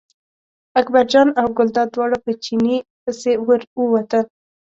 اکبرجان او ګلداد دواړه په چیني پسې ور ووتل.